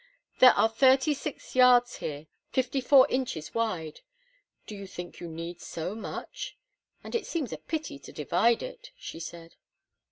"There are thirty six yards here, fifty four inches wide; do you think you need so much? And it seems a pity to divide it," she said.